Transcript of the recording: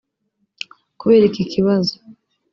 Kubera iki kibazo